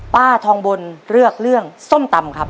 ป้าทองบนเลือกเรื่องส้มตำครับ